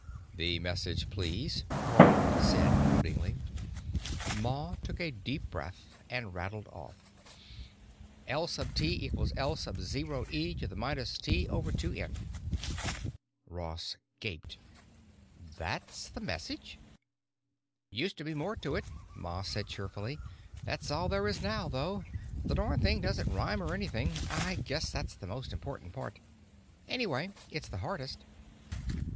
"The message, please," Haarland said broodingly. Ma took a deep breath and rattled off: "L sub T equals L sub zero e to the minus T over two N." Ross gaped. "That's the message?" "Used to be more to it," Ma said cheerfully "That's all there is now, though. The darn thing doesn't rhyme or anything. I guess that's the most important part. Anyway, it's the hardest."